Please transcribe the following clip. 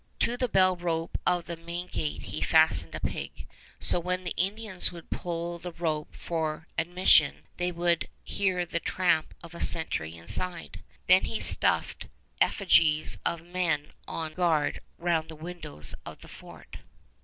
To the bell rope of the main gate he fastened a pig, so when the Indians would pull the rope for admission, they would hear the tramp of a sentry inside. Then he stuffed effigies of men on guard round the windows of the fort.